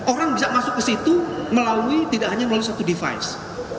orang bisa masuk ke situ melalui tidak hanya melalui satu device